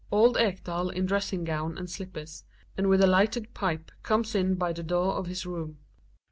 Old Ekdal in dressing gown and slippers, and with a lighted pipe comes in by the door of his room.